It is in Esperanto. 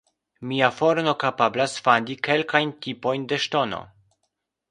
Mia forno kapablas fandi kelkajn tipojn de ŝtono.